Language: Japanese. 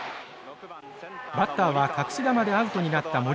バッターは隠し球でアウトになった森川。